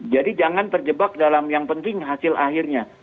jadi jangan terjebak dalam yang penting hasil akhirnya